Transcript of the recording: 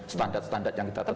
standar standar yang kita tetap